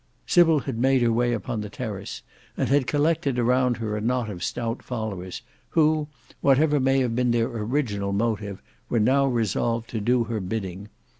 Sybil had made her way upon the terrace, and had collected around her a knot of stout followers, who, whatever may have been their original motive, were now resolved to do her bidding.